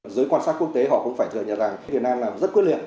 giới quan sát quốc tế họ cũng phải thừa nhận rằng việt nam là rất quyết liệt